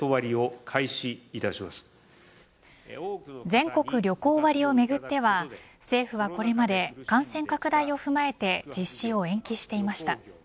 全国旅行割をめぐっては政府はこれまで感染拡大を踏まえて実施を延期していました。